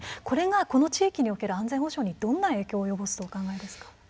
これがこの地域における安全保障にどんな影響を及ぼすとお考えですか。